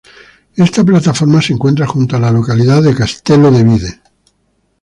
Esta plataforma se encuentra junto a la localidad de Castelo de Vide.